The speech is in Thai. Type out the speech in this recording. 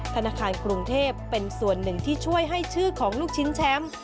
ธนาคารกรุงเทพเป็นส่วนหนึ่งที่ช่วยให้ชื่อของลูกชิ้นแชมป์